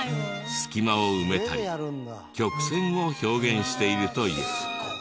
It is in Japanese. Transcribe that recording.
隙間を埋めたり曲線を表現しているという。